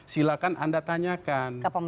silahkan anda tanyakan